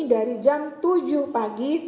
dari jam tujuh pagi